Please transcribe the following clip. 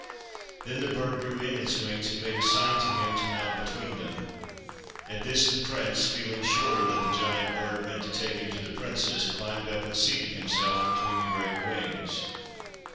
Then the bird drew in its wings and made a sign to him to mount between them. At this the Prince, feeling sure that the giant bird meant to take him to the Princess, climbed up and seated himself between the great wings.